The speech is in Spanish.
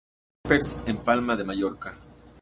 Pepper's" en Palma de Mallorca.